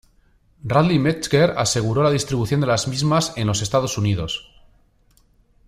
Radley Metzger aseguró la distribución de las mismas en los Estados Unidos.